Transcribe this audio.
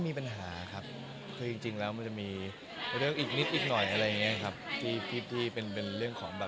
แต่ว่าจริงแล้วก็หมดสัญญากันสักพักหนึ่ง